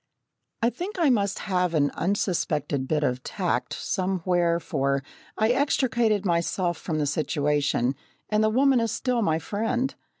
I think I must have an unsuspected bit of tact somewhere for I extricated myself from the situation, and the woman is still my friend.